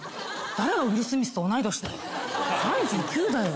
誰がウィル・スミスと同い年だよ３９だよ。